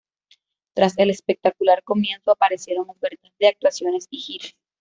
Tras el espectacular comienzo, aparecieron ofertas de actuaciones y giras.